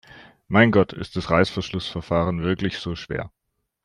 Mein Gott, ist das Reißverschlussverfahren wirklich so schwer?